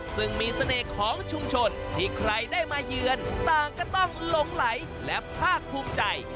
ซึ่งมีเสน่ห์ของชุมชนที่ใครได้มาเยือนต่างก็ต้องหลงไหลและภาคภูมิใจ